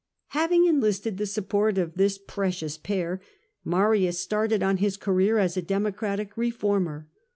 Having enlisted the support of this precious pair, Marius started on his career as a Democratic reformer.